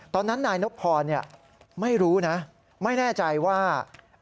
ตอนนั้นนายนบพรไม่รู้นะไม่แน่ใจว่า